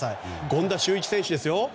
権田修一選手ですよ。